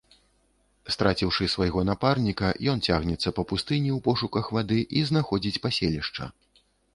Страціўшы свайго напарніка, ён цягнецца па пустыні ў пошуках вады і знаходзіць паселішча.